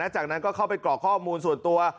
จากนั้นก็เข้าไปกรอกข้อมูลส่วนตัว